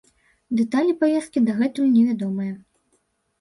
Дэталі паездкі дагэтуль невядомыя.